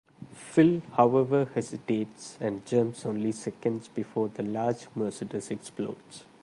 Fil however hesitates, and jumps only seconds before the large Mercedes explodes.